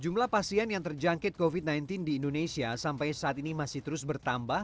jumlah pasien yang terjangkit covid sembilan belas di indonesia sampai saat ini masih terus bertambah